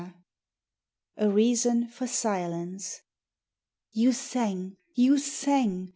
A REASON FOR SILENCE. YOU sang, you sang!